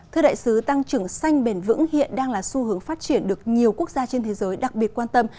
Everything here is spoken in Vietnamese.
thưa đại sứ tăng trưởng xanh bền vững hiện đang là xu hướng phát triển được nhiều quốc gia trên thế giới đặc biệt quan tâm